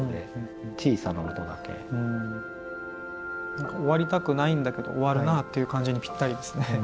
何か終わりたくないんだけど終わるなっていう感じにぴったりですね。